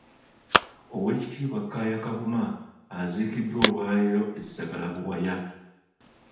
Owekitiibwa Kaaya Kavuma aziikiddwa olwaleero e Sagala Buwaya.